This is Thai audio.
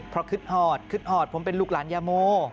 เพราะคึกหอดคึดหอดผมเป็นลูกหลานยาโม